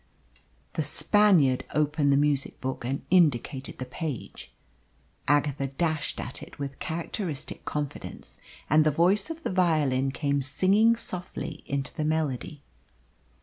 The Spaniard opened the music book and indicated the page. Agatha dashed at it with characteristic confidence, and the voice of the violin came singing softly into the melody.